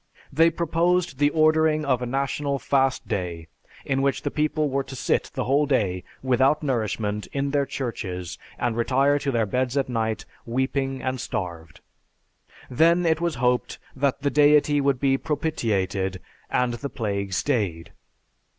They proposed the ordering of a national fast day in which the people were to sit the whole day without nourishment in their churches and retire to their beds at night weeping and starved. Then it was hoped that the Deity would be propitiated, and the plague stayed.